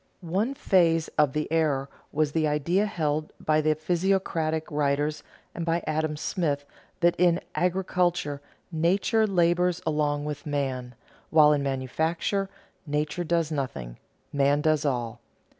One phase of the error was the idea held by the physiocratic writers and by Adam Smith that in agriculture "nature labors along with man," while in manufacture "nature does nothing, man does all."